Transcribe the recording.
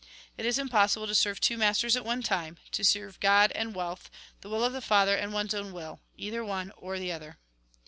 " It is impossible to serve two masters at one time ; to serve God and Wealth, the will of the Father, and one's own will. Either one or the other."